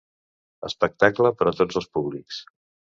Espectacle per a tots els públics.